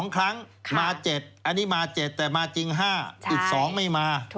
๒ครั้งมา๗อันนี้มา๗แต่มาจริง๕อีก๒ไม่มา